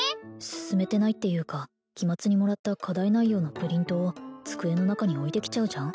進めてないっていうか期末にもらった課題内容のプリントを机の中に置いてきちゃうじゃん？